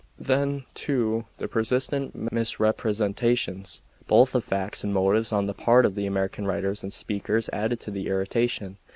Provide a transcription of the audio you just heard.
Then, too, the persistent misrepresentations both of facts and motives on the part of the American writers and speakers added to the irritation.